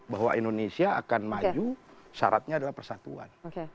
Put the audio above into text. bahwa indonesia akan maju syaratnya adalah persatuan